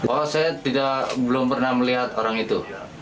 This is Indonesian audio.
oh saya belum pernah melihat orang itu